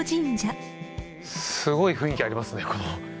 すごい雰囲気ありますね。